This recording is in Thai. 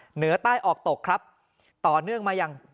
เหนือใต้ออกตกครับต่อเนื่องมาอย่าง